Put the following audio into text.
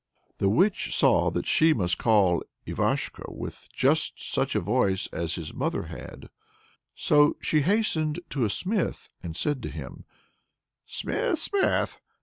The witch saw that she must call Ivashko with just such a voice as his mother had. So she hastened to a smith and said to him: "Smith, smith!